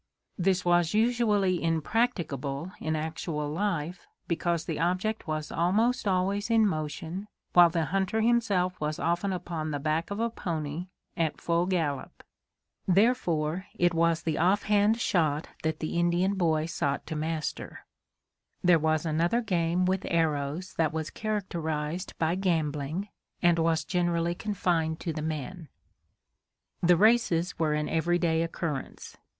This was usually impracticable in actual life, because the object was almost always in motion, while the hunter himself was often upon the back of a pony at full gallop. Therefore, it was the off hand shot that the Indian boy sought to master. There was another game with arrows that was characterized by gambling, and was generally confined to the men. The races were an every day occurrence.